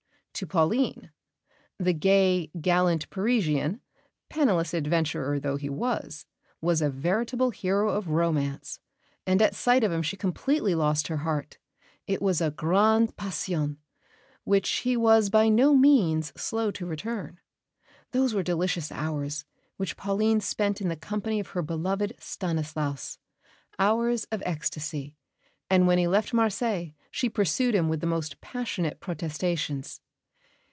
To Pauline, the gay, gallant Parisian, penniless adventurer though he was, was a veritable hero of romance; and at sight of him she completely lost her heart. It was a grande passion, which he was by no means slow to return. Those were delicious hours which Pauline spent in the company of her beloved "Stanislas," hours of ecstasy; and when he left Marseilles she pursued him with the most passionate protestations.